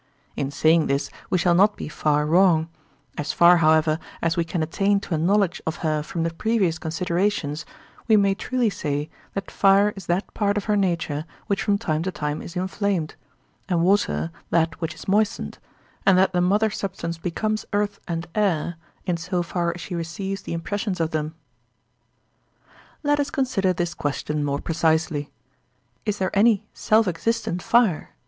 In saying this we shall not be far wrong; as far, however, as we can attain to a knowledge of her from the previous considerations, we may truly say that fire is that part of her nature which from time to time is inflamed, and water that which is moistened, and that the mother substance becomes earth and air, in so far as she receives the impressions of them. Let us consider this question more precisely. Is there any self existent fire?